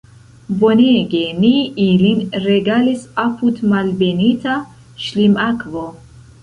Bonege ni ilin regalis apud Malbenita Ŝlimakvo!